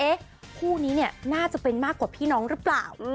คู่นี้เนี่ยน่าจะเป็นมากกว่าพี่น้องหรือเปล่า